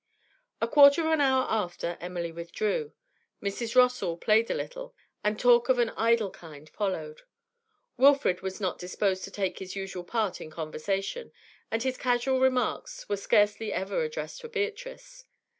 A quarter of an hour after, Emily withdrew. Mrs. Rossall played a little, and talk of an idle kind followed. Wilfrid was not disposed to take his usual part in conversation, and his casual remarks were scarcely ever addressed to Beatrice.